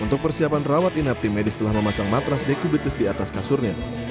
untuk persiapan rawat inap tim medis telah memasang matras dekubitus di atas kasurnya